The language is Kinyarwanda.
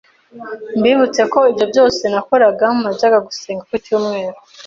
mbibutse ko ibyo byose nakoraga najyaga gusenga kucyumweru